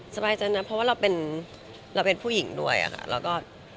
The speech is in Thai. สบายใจนะเพราะว่าเราเป็นผู้หญิงด้วยค่ะแล้วก็